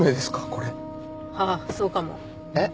これはあそうかもえっ？